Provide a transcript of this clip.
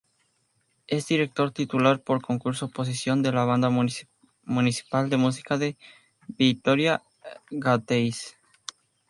Es director titular por concurso oposición de la Banda Municipal de Música de Vitoria-Gasteiz.